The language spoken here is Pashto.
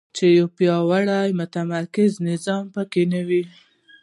چې یو پیاوړی متمرکز نظام په کې نه وو.